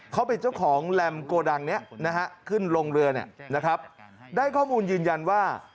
เขาเป็นเจ้าของแรมโกดังนี้นะฮะขึ้นลงเรือเนี่ยนะครับได้ข้อมูลยืนยันว่า